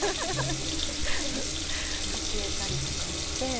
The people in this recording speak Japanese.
教えたりとかして。